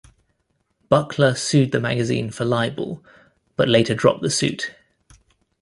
Buckler sued the magazine for libel, but later dropped the suit.